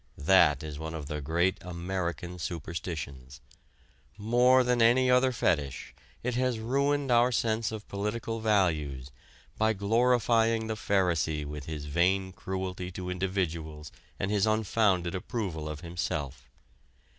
That is one of the great American superstitions. More than any other fetish it has ruined our sense of political values by glorifying the pharisee with his vain cruelty to individuals and his unfounded approval of himself.